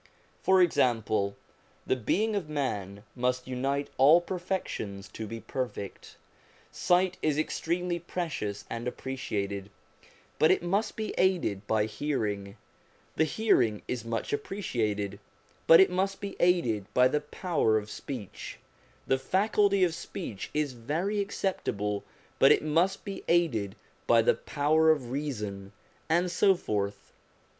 For example, the being of man must unite all perfections to be perfect. Sight is extremely precious and appreciated, but it must be aided by hearing ; the hearing is much appreciated, but it must be aided by the power of speech ; the faculty of speech is very acceptable, but it must be aided by the power of reason ; and so forth.